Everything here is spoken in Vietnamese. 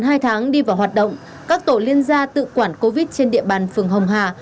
sau hai tháng đi vào hoạt động các tổ liên gia tự quản covid trên địa bàn phường hồng hà